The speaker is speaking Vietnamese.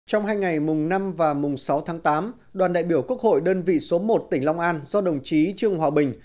trong hai ngày mùng năm và mùng sáu tháng tám đoàn đại biểu quốc hội đơn vị số một tỉnh long an do đồng chí trương hòa bình